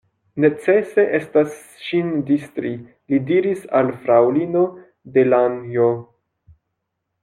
Necese estas ŝin distri, li diris al fraŭlino Delanjo.